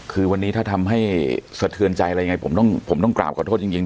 คือวันนี้ถ้าทำให้สะเทือนใจอะไรยังไงผมต้องผมต้องกราบขอโทษจริง